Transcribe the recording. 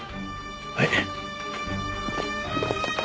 はい。